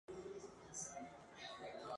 Ambos conciertos fueron muy similares.